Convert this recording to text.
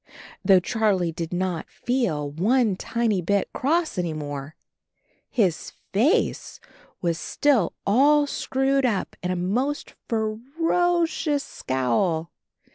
Though Charlie did not feel one tiny bit cross any more, his face was still all screwed up in a most fer o cious scowl.